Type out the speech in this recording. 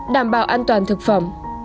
đảm bảo an toàn thực phẩm